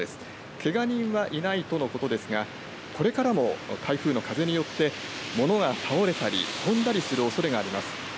けが人はいないとのことですがこれからも台風の風によって物が倒れたり飛んだりするおそれがあります。